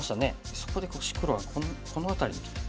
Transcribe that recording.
そこで黒はこの辺りにきた。